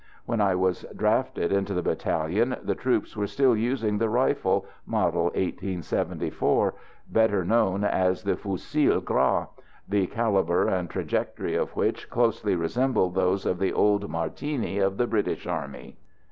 When I was drafted into the battalion, the troops were still using the rifle, model 1874 better known as the "Fusil Gras," the calibre and trajectory of which closely resembled those of the old Martini of the British army.